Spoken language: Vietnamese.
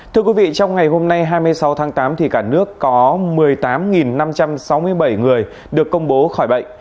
thưa quý vị trong ngày hôm nay hai mươi sáu tháng tám cả nước có một mươi tám năm trăm sáu mươi bảy người được công bố khỏi bệnh